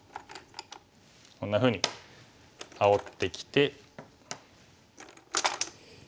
こんなふうにあおってきて。